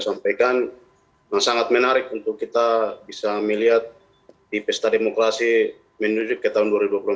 sampaikan sangat menarik untuk kita bisa melihat di pesta demokrasi menuju ke tahun